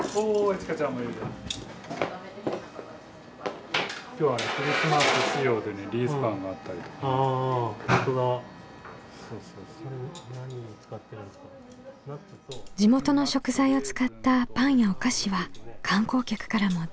地元の食材を使ったパンやお菓子は観光客からも大人気。